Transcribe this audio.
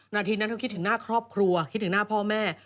นาทีนั้นเธอคิดถึงหน้าครอบครัวคิดถึงหน้าพ่อแม่